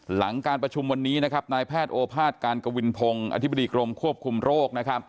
หลังการประชุมวันนี้นายแพทย์โอภาษการกวินพงศ์อธิบดีกรมควบคุมโรค